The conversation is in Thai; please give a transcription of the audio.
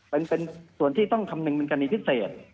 เป็นส่วนที่ต้องคำนึงเป็นกรณีพิเศษ